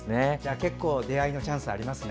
結構出会いのチャンスありますね。